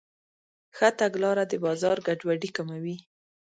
ښه تګلاره د بازار ګډوډي کموي.